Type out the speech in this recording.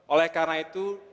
oleh karena itu